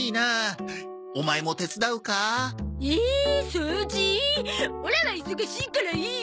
オラは忙しいからいい。